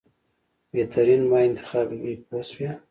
بهترین ما انتخابوي پوه شوې!.